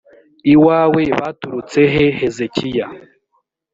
iwawe baturutse he hezekiya